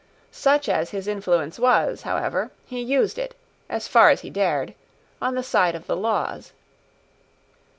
Such as his influence was, however, he used it, as far as he dared, on the side of the laws.